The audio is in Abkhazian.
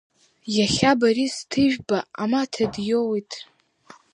Иахьа Борис Ҭыжәба амаҭа диоуит.